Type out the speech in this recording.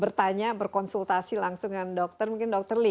pertanyaan berkonsultasi langsung dengan dokter mungkin dr li